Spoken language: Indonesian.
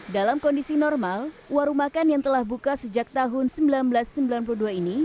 dalam kondisi normal warung makan yang telah buka sejak tahun seribu sembilan ratus sembilan puluh dua ini